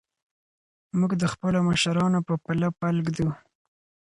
موږ د خپلو مشرانو په پله پل ږدو.